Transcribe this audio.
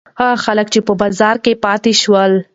هغه خلک چې په بازار کې پاتې شول.